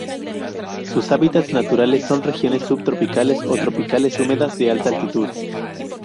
Sus hábitats naturales son: regiones subtropicales o tropicales húmedas de alta altitud.